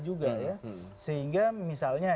juga ya sehingga misalnya